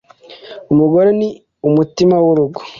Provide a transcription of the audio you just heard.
Umugore ni umutima w’urugo.